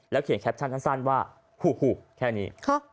แล้วเขียนแคปชั่นทั้งสั้นว่าฮูแค่นี้